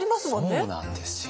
そうなんですよ。